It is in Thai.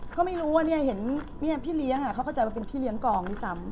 ก็ไม่รู้ว่าเนี่ยเห็นพี่เลี้ยงเขาเข้าใจว่าเป็นพี่เลี้ยงกองด้วยซ้ำ